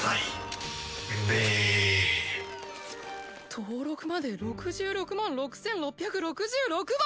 登録まで６６万６，６６６番！？